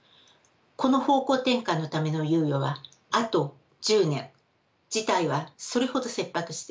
この方向転換のための猶予はあと１０年事態はそれほど切迫しています。